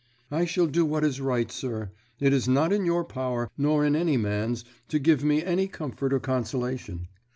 "I shall do what is right, sir. It is not in your power, nor in any man's, to give me any comfort or consolation.